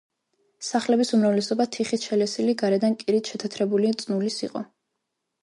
სახლების უმრავლესობა თიხით შელესილი, გარედან კირით შეთეთრებული წნულის იყო.